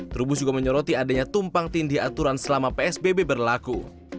terubus juga menyoroti adanya tumpang tindih aturan selama psbb berlaku